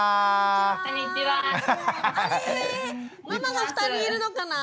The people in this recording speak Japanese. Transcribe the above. ママが２人いるのかな？